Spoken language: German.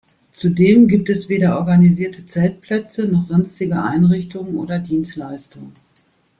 Zudem gibt es weder organisierte Zeltplätze, noch sonstige Einrichtungen oder Dienstleistungen.